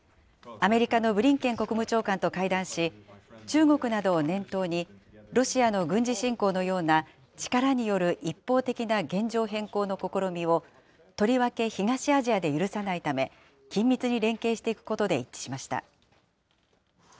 アメリカのブリンケン国務長官と会談し、中国などを念頭に、ロシアの軍事侵攻のような力による一方的な現状変更の試みを、とりわけ東アジアで許さないため、緊密に連携していくことで一致しました。